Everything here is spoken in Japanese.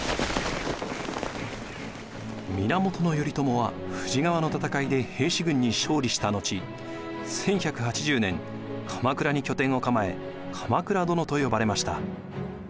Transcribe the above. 源頼朝は富士川の戦いで平氏軍に勝利した後１１８０年鎌倉に拠点を構え鎌倉殿と呼ばれました。